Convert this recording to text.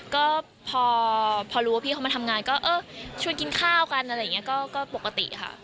ก็พอรู้ว่าพี่เขามาทำงานก็เออชวนกินข้าวกันอะไรอย่างนี้ก็ปกติค่ะ